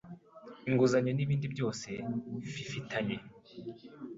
inguzanyo n ibindi byose fifitanye